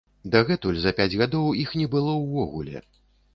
Дагэтуль за пяць гадоў, іх не было ўвогуле!